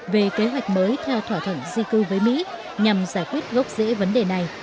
về kế hoạch mới theo thỏa thuận di cư với mỹ nhằm giải quyết gốc rễ vấn đề này